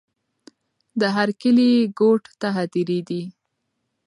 د هر کلي ګوټ ته هدېرې دي.